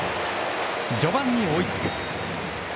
序盤に追いつく。